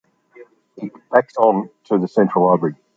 It backs on to the central library.